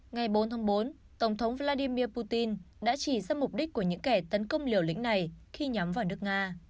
ngày bốn tháng bốn tổng thống vladimir putin đã chỉ ra mục đích của những kẻ tấn công liều lĩnh này khi nhắm vào nước nga